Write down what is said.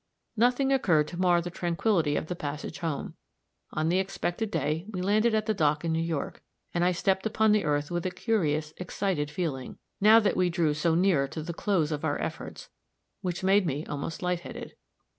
Nothing occurred to mar the tranquillity of the passage home. On the expected day, we landed at the dock in New York, and I stepped upon the earth with a curious, excited feeling, now that we drew so near to the close of our efforts, which made me almost light headed.